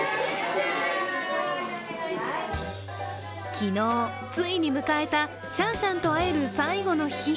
昨日、ついに迎えたシャンシャンと会える最後の日。